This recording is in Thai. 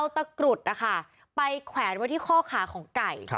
ตะกรุดนะคะไปแขวนไว้ที่ข้อขาของไก่